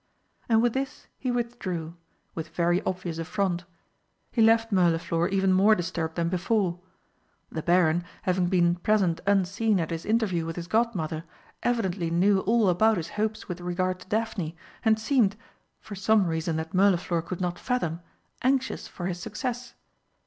And with this he withdrew, with very obvious affront. He left Mirliflor even more disturbed than before. The Baron, having been present unseen at his interview with his Godmother, evidently knew all about his hopes with regard to Daphne, and seemed for some reason that Mirliflor could not fathom anxious for his success.